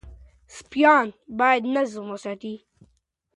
سپایان باید نظم وساتي.